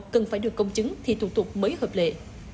cần phải được công chứng thì thủ tục mới hợp lệ